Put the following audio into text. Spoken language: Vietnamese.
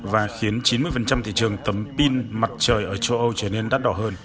và khiến chín mươi thị trường tấm pin mặt trời ở châu âu trở nên đắt đỏ hơn